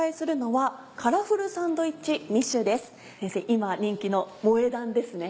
今人気の「萌え断」ですね。